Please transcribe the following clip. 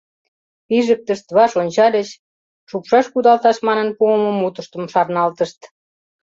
Пижыктышт, ваш ончальыч, шупшаш кудалташ манын, пуымо мутыштым шарналтышт.